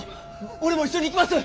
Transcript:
俺も一緒に行きます！